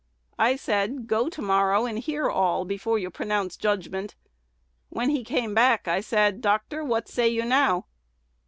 I said, 'Go to morrow, and hear all before you pronounce judgment.' When he came back, I said, 'Doctor, what say you now?'